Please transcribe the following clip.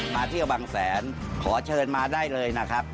มาเที่ยวบางแสนขอเชิญมาได้เลยนะครับ